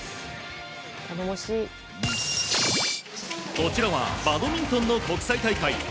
こちらはバドミントンの国際大会。